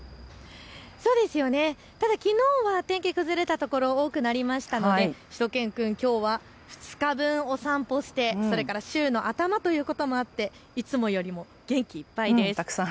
ただ、きのうは天気崩れた所多くなりましたのでしゅと犬くん、きょうは２日分お散歩をして週の頭ということもあっていつもより元気いっぱいです。